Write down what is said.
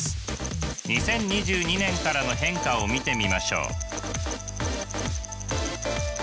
２０２２年からの変化を見てみましょう。